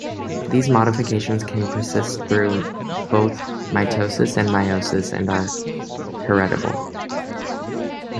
These modifications can persist through both mitosis and meiosis and are heritable.